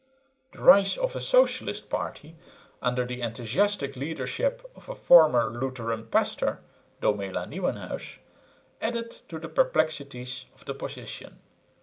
The rise of a socialist party under the enthusiastic leadership of a former Lutheran pastor, Domela Nieuwenhuis, added to the perplexities of the position.